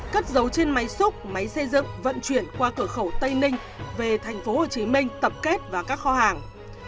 cất dấu trên máy xúc máy xây dựng vận chuyển qua cửa khẩu tây ninh về tp hcm tập kết vào các kho hàng